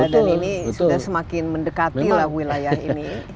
dan ini sudah semakin mendekati lah wilayah ini